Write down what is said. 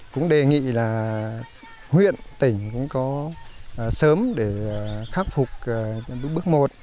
cũng đề nghị là huyện tỉnh cũng có sớm để khắc phục bước một